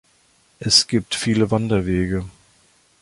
Es gibt viele Wanderwege.